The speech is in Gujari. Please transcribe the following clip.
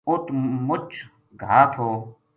اُت مُچ گھا تھو